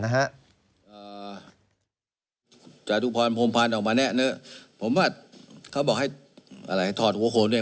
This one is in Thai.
อ่าจาดุพรพงภัณฑ์ออกมาแน่เนอะผมว่าเขาบอกให้อะไรถอดหัวโค้งด้วย